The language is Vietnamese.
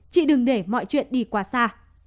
chị đừng để mọi chuyện đi quá xa